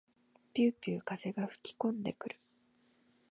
ぴゅうぴゅう風が吹きこんでくる。